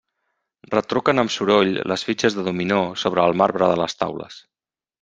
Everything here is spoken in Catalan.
Retruquen amb soroll les fitxes de dominó sobre el marbre de les taules.